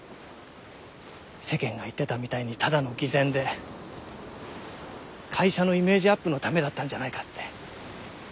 世間が言ってたみたいにただの偽善で会社のイメージアップのためだったんじゃないかって。